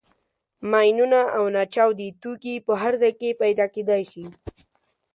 ماینونه او ناچاودي توکي په هر ځای کې پیدا کېدای شي.